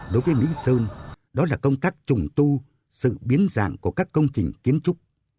đối với mỹ sơn đó là công tác trùng tu sự biến dạng của các công trình kiến trúc